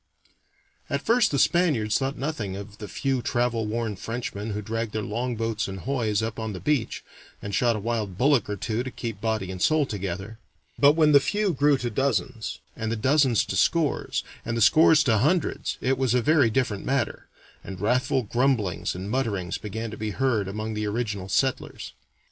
] At first the Spaniards thought nothing of the few travel worn Frenchmen who dragged their longboats and hoys up on the beach, and shot a wild bullock or two to keep body and soul together; but when the few grew to dozens, and the dozens to scores, and the scores to hundreds, it was a very different matter, and wrathful grumblings and mutterings began to be heard among the original settlers.